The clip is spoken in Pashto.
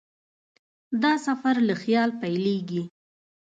دا سفر له خیال پیلېږي.